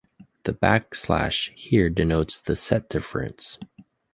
The backslash here denotes the set difference.